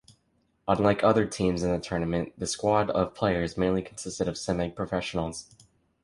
Unlike other teams in the tournament, the squad of players mainly consisted of semi-professionals.